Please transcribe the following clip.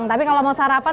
tapi kalau mau sarapan